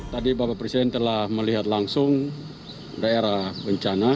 tadi bapak presiden telah melihat langsung daerah bencana